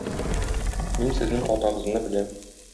Мин сезнең атагызны беләм.